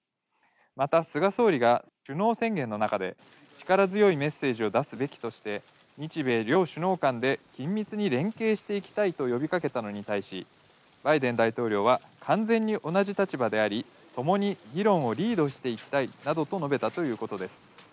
また菅総理が首脳宣言の中で、力強いメッセージを出すべきとして、日米両首脳間で緊密に連携していきたいと呼びかけたのに対し、バイデン大統領は完全に同じ立場であり、ともに議論をリードしていきたいなどと述べたということです。